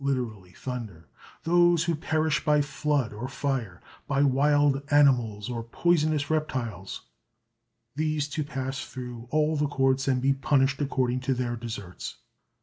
_ thunder), those who perish by flood or fire, by wild animals or poisonous reptiles these to pass through all the Courts and be punished according to their deserts.